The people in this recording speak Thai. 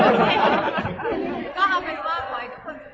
เวลาแรกพี่เห็นแวว